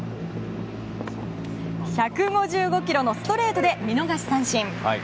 １５５キロのストレートで見逃し三振。